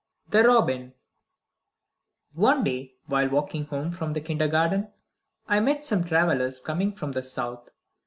The Robin One day, while walking home from the Kindergarten, I met some travellers coming from the South.